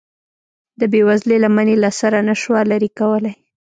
د بې وزلۍ لمن یې له سره نشوه لرې کولی.